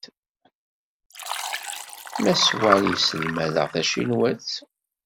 Mass Wan yesselmad-aɣ tacinwat.